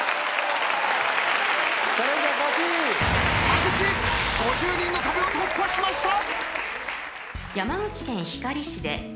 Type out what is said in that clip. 田口５０人の壁を突破しました。